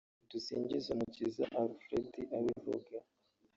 Dusingizumukiza Alphred abivuga